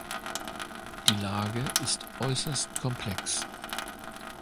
Die Lage ist äußerst komplex.